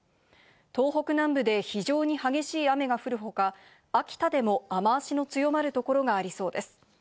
東北南部で非常に激しい雨が降る他、秋田でも雨脚の強まるところがありそうです。